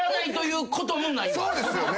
そうですよね。